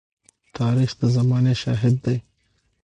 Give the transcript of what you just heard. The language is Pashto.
تاریخ د زمانې شاهد دی.